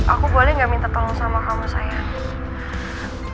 aku boleh gak minta tanggung sama kamu sayang